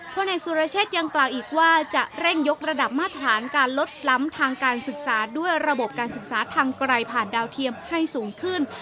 พ่อนายสุรเชษยังกล่าวอีกว่าจะเร่งยกระดับมาตรฐานการลดล้ำทางการศึกษาด้วยระบบการศึกษาทางไกลผ่านดาวเทียมให้สูงขึ้น